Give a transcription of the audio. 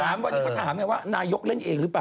เธอถามไงว่านายกเล่นเองรึเปล่า